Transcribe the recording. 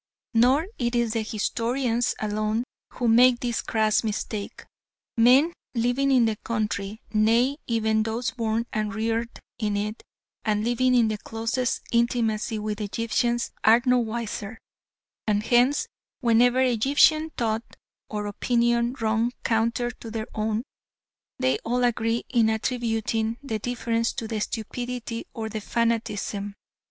Nor is it the historians alone who make this crass mistake. Men living in the country, nay, even those born and reared in it, and living in the closest intimacy with Egyptians, are no wiser, and hence, whenever Egyptian thought or opinion run counter to their own, they all agree in attributing the difference to "stupidity" or "fanaticism."